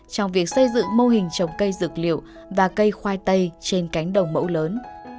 trong việc xây dựng mô hình trồng cây dược liệu và cây khoai tây trên cánh đồng mẫu lớn